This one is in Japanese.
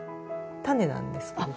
種なんですけれど。